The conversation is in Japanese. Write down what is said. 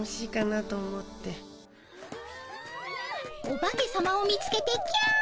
お化けさまを見つけてキャ！